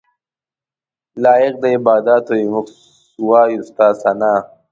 لایق د عباداتو یې موږ وایو ستا ثناء.